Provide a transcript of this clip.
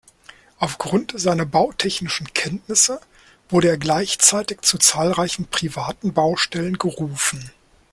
Aufgrund seiner bautechnischen Kenntnisse wurde er gleichzeitig zu zahlreichen privaten Baustellen gerufen.